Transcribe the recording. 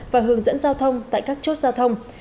và hướng dẫn giao thông tại các chốt giao thông